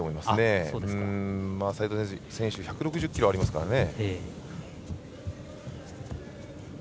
斉藤選手１６０ｋｇありますからね。